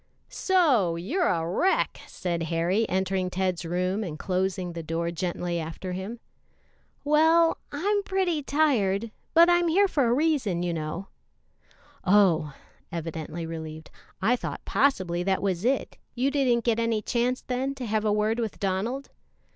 "So, you're a wreck," said Harry, entering Ted's room and closing the door gently after him. "Well, I'm pretty tired, but I'm here for a reason, you know." "Oh!" evidently relieved; "I thought possibly that was it; you didn't get any chance, then, to have a word with Donald?"